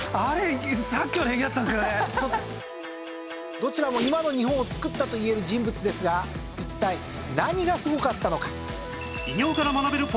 どちらも今の日本をつくったといえる人物ですが一体何がすごかったのか？